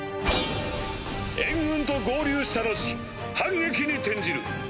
援軍と合流した後反撃に転じる。